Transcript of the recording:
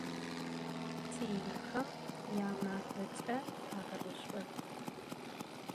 Tinıxem yamafeç'e tafeguş'o.